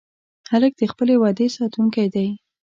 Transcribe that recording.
هلک د خپلې وعدې ساتونکی دی.